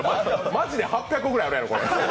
マジで８００個ぐらいあるやろ。